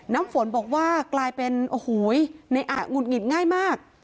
น้ำฝนบอกว่ากลายเป็นโอ้โหในอะหงุดหงิดง่ายมาก